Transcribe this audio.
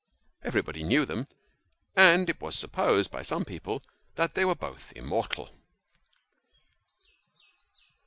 Everybody knew them, and it was supposed by some people that they were both immortal.